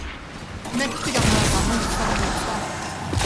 Mäktiga mödrar mosade motståndet.